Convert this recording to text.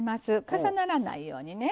重ならないようにね。